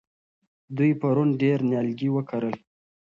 دوی پرون ډېر نیالګي وکرل.